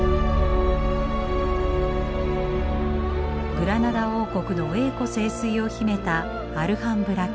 グラナダ王国の栄枯盛衰を秘めたアルハンブラ宮殿。